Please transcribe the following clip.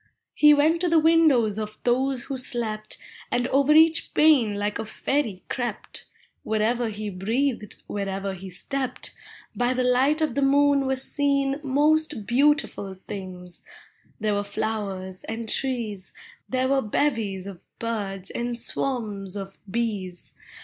lie weut to the windows of those who slept, Ami over each pane like a fairy crept: Wherever he breathed, wherever he stepped, Hy the light of the moon were seen Most beautiful things. There were (lowers and trees, There were bevies of birds and swarms of bees.